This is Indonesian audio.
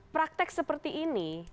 praktek seperti ini